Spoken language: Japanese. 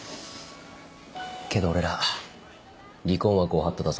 けど俺ら離婚はご法度だぞ。